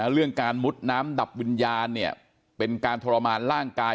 เรื่องการมุดน้ำดับวิญญาณเนี่ยเป็นการทรมานร่างกาย